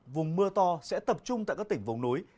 vùng mưa to sẽ tập trung tại các tỉnh vùng núi